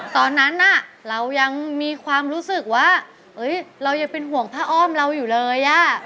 ตอนนั้นเรายังมีความรู้สึกว่าเรายังเป็นห่วงผ้าอ้อมเราอยู่เลย